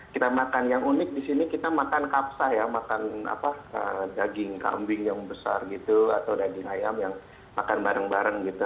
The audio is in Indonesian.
kita makan yang unik di sini kita makan kapsah ya makan daging kambing yang besar gitu atau daging ayam yang makan bareng bareng gitu